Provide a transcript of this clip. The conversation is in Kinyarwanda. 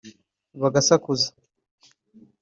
bagasakuza